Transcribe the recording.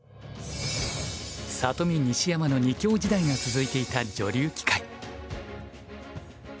里見西山の２強時代が続いていた女流棋界。